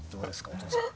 お父さん。